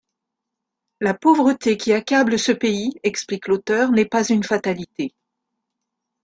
La pauvreté qui accable ce pays, explique l'auteur, n’est pas une fatalité.